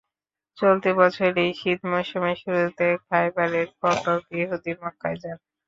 চলতি বছরেরই শীত মৌসুমের শুরুতে খায়বারের কতক ইহুদী মক্কায় যায়।